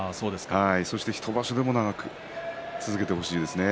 そして１場所でも長く続けてほしいですね。